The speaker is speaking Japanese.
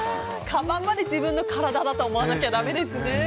かばんまで自分の体と思わないとだめですね。